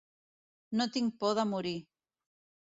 No tinc por de morir.